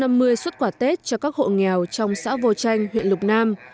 năm mươi xuất quà tết cho các hộ nghèo trong xã vô tranh huyện lục nam